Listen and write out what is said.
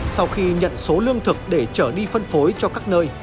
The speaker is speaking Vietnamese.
sau khi nhận số lương thực để trở đi phân phối cho các nơi